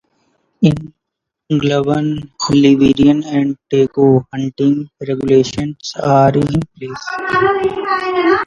In Gabon, Liberia and Togo, hunting regulations are in place.